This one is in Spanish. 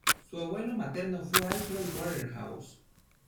Su abuelo materno fue Alfred Waterhouse.